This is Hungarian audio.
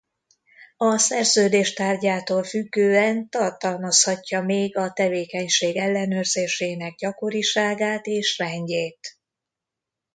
A szerződés tárgyától függően tartalmazhatja még a tevékenység ellenőrzésének gyakoriságát és rendjét.